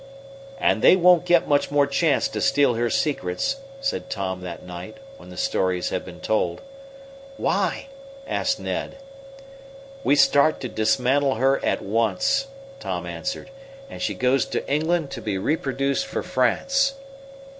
"And they won't get much more chance to steal her secrets," said Tom that night, when the stories had been told. "Why?" asked Ned. "We start to dismantle her at once," Tom answered, "and she goes to England to be reproduced for France."